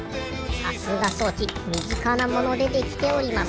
さすが装置みぢかなものでできております。